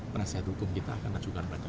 penasihat hukum kita akan ajukan pada